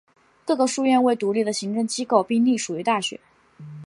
各个书院为独立的行政机构并隶属于大学。